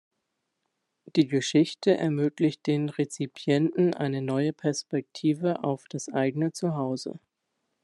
Die Geschichte ermöglicht den Rezipienten eine neue Perspektive auf das eigene Zuhause.